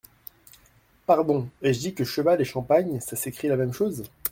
Pardon ! ai-je dit que… cheval et champagne, ça s’écrit la même chose ?